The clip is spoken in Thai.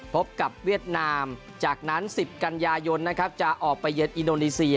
พบกับเวียดนามจากนั้น๑๐กันยายนนะครับจะออกไปเยือนอินโดนีเซีย